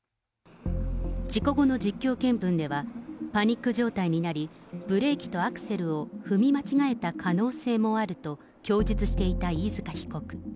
事故後の実況見分では、パニック状態になり、ブレーキとアクセルを踏み間違えた可能性もあると供述していた飯塚被告。